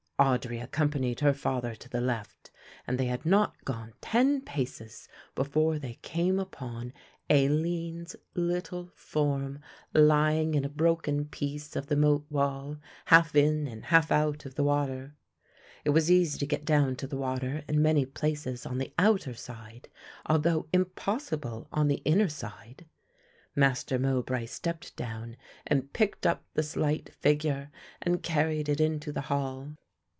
Audry accompanied her father to the left and they had not gone ten paces before they came upon Aline's little form lying in a broken piece of the moat wall, half in and half out of the water. It was easy to get down to the water in many places on the outer side although impossible on the inner side. Master Mowbray stepped down and picked up the slight figure and carried it into the hall.